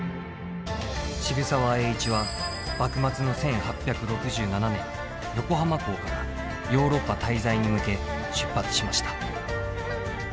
渋沢栄一は幕末の１８６７年横浜港からヨーロッパ滞在に向け出発しました。